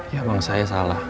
ya bang saya salah